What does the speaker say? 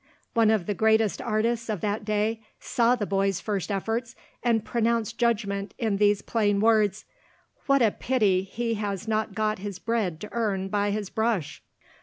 One of the greatest artists of that day saw the boy's first efforts, and pronounced judgment in these plain words: "What a pity he has not got his bread to earn by his brush!"